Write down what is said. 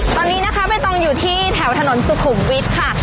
ตอนนี้นะคะใบตองอยู่ที่แถวถนนสุขุมวิทย์ค่ะ